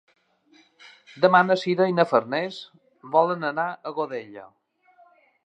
Demà na Sira i na Farners volen anar a Godella.